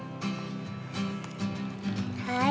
はい。